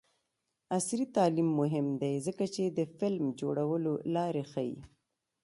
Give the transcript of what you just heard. عصري تعلیم مهم دی ځکه چې د فلم جوړولو لارې ښيي.